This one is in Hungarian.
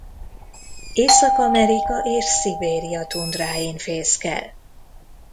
Észak-Amerika és Szibéria tundráin fészkel.